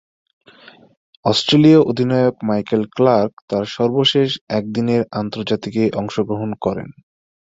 অস্ট্রেলীয় অধিনায়ক Michael Clarke তার সর্বশেষ একদিনের আন্তর্জাতিকে অংশগ্রহণ করেন।